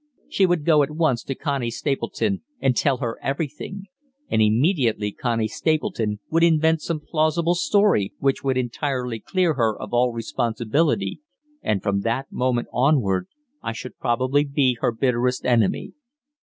She would go at once to Connie Stapleton and tell her everything, and immediately Connie Stapleton would invent some plausible story which would entirely clear her of all responsibility, and from that moment onward I should probably be her bitterest enemy.